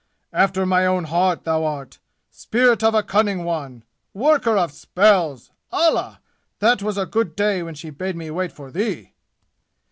"After my own heart, thou art! Spirit of a cunning one! Worker of spells! Allah! That was a good day when she bade me wait for thee!"